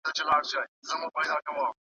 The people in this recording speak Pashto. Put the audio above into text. ده د پوهاوي له لارې سمون غوره ګاڼه.